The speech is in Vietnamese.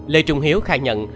lê trung hiếu khai nhận